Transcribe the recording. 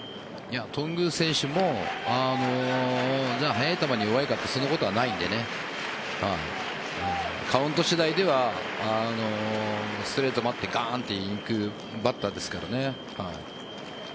頓宮選手も速い球に弱いかというとそんなことはないのでカウント次第ではストレートを待ってがーんといくバッターですから。